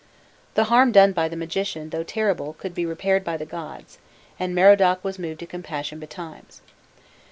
The harm done by the magician, though terrible, could be repaired by the gods, and Merodach was moved to compassion betimes.